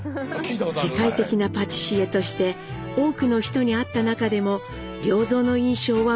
世界的なパティシエとして多くの人に会った中でも良三の印象は薄れません。